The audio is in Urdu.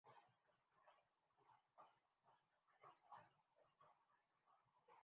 ورلڈ کپ کرکٹ کی ٹرافی کے طویل ترین سفر کا شیڈول جاری